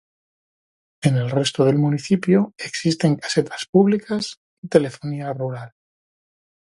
En el resto del municipio existen casetas públicas y telefonía rural.